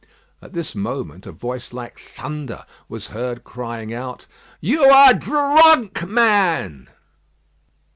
At this moment a voice like thunder was heard crying out: "You are drunk, man!"